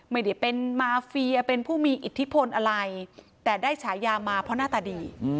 ไม่ได้เป็นมาเฟียเป็นผู้มีอิทธิพลอะไรแต่ได้ฉายามาเพราะหน้าตาดี